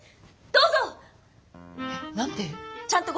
どうぞ！